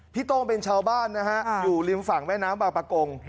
โต้งเป็นชาวบ้านนะฮะอยู่ริมฝั่งแม่น้ำบางประกง